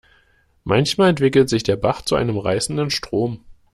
Manchmal entwickelt sich der Bach zu einem reißenden Strom.